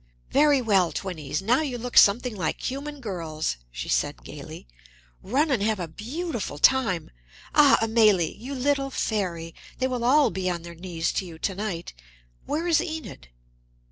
"Very well, twinnies! Now you look something like human girls," she said gaily. "Run and have a beautiful time. Ah, Amélie, you little fairy! They will all be on their knees to you to night. Where is Enid?"